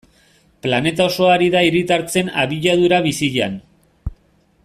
Planeta osoa ari da hiritartzen abiadura bizian.